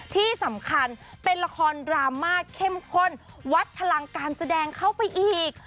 ที่สำคัญเป็นละครดราม่าเข้มข้นวัดพลังการแสดงเข้าไปอีก